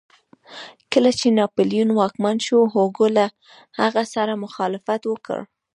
کله چې ناپلیون واکمن شو هوګو له هغه سره مخالفت وکړ.